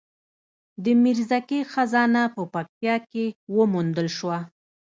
د میرزکې خزانه په پکتیا کې وموندل شوه